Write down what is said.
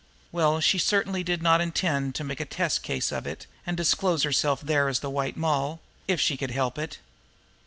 Well, she certainly did not intend to make a test case of it and disclose herself there as the White Moll, if she could help it!